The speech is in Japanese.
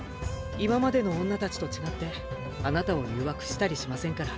今までの女たちと違ってあなたを誘惑したりしませんから。